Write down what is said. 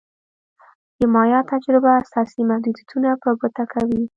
د مایا تجربه اساسي محدودیتونه په ګوته کوي.